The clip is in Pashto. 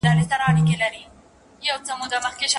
استادانو د نویو څېړنو لپاره لارښووني وکړې.